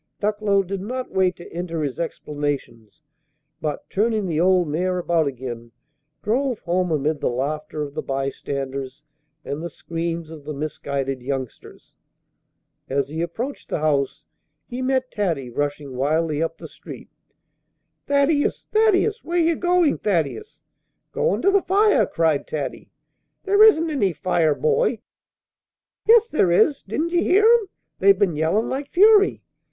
Ducklow did not wait to enter his explanations, but, turning the old mare about again, drove home amid the laughter of the by standers and the screams of the misguided youngsters. As he approached the house, he met Taddy rushing wildly up the street. "Thaddeus! Thaddeus! Where ye goin', Thaddeus?" "Goin' to the fire!" cried Taddy. "There isn't any fire, boy." "Yes, there is! Didn't ye hear 'em? They've been yellin' like fury."